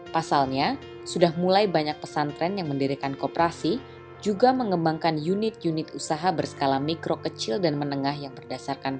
pasalnya sudah mulai banyak pesantren yang mendirikan kooperasi juga mengembangkan unit unit usaha berskala mikro kecil dan menengah yang berdasarkan